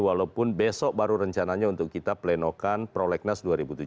walaupun besok baru rencananya untuk kita plenokan prolegnas dua ribu tujuh belas